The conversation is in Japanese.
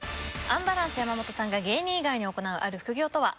アンバランス山本さんが芸人以外に行うある副業とは？